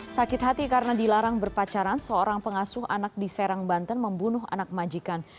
sakit hati karena dilarang berpacaran seorang pengasuh anak di serang banten membunuh anak majikan